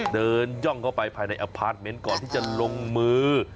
ย่องเข้าไปภายในอพาร์ทเมนต์ก่อนที่จะลงมือ